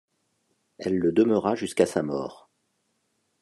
Elle le demeura jusqu'à sa mort.